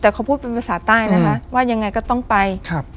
แต่เขาพูดเป็นภาษาใต้นะคะว่ายังไงก็ต้องไปครับ